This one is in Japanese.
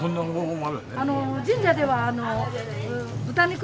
神社では豚肉とか。